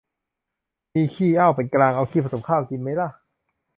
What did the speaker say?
มีขี้ เอ้า เป็นกลาง เอาขี้ผสมข้าว กินมั้ยล่ะ